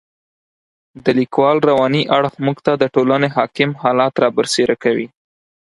د لیکوال رواني اړخ موږ ته د ټولنې حاکم حالات را برسېره کوي.